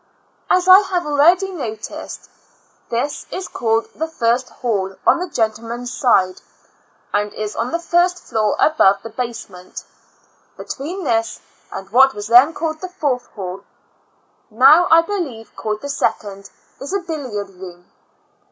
As I have already noticed, this is called the first hall on the gentlemen's side, and is on the first floor above the basement. Between this, and what was then called the fourth hall, now I believe called the second, is a billiard room.